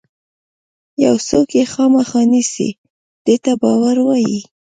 یو څوک یې خامخا نیسي دې ته باور وایي.